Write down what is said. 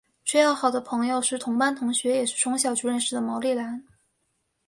最要好的朋友是同班同学也是从小就认识的毛利兰。